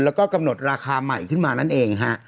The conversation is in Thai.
แล้วก็กำหนดราคาใหม่ขึ้นมานั่นเองฮะ